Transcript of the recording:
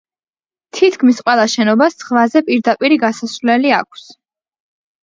თითქმის ყველა შენობას ზღვაზე პირდაპირი გასასვლელი აქვს.